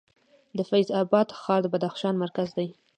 د فیض اباد ښار د بدخشان مرکز دی